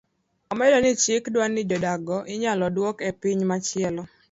Omedo ni chik dwani jodak go inyalo duoki epiny machielo